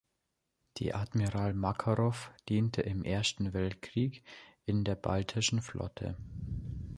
Die "Admiral Makarow" diente im Ersten Weltkrieg in der Baltischen Flotte.